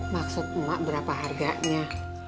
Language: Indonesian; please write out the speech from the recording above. maksud mak berapa harganya